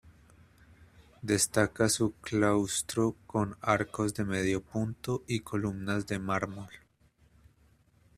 Destaca su claustro con arcos de medio punto y columnas de mármol.